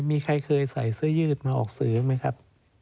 มีใครเคยใส่เสื้อยืดมาออกซื้อไหมครับ